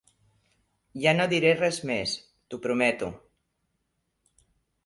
Ja no diré res més, t'ho prometo.